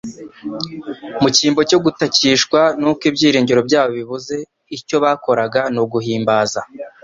Mu cyimbo cyo gutakishwa nuko ibyiringiro byabo bibuze icyo bakoraga ni uguhimbaza